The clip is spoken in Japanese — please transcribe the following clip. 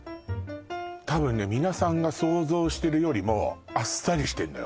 多分ね皆さんが想像してるよりもあっさりしてんのよ